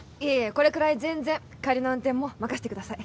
これくらい全然帰りの運転も任せてください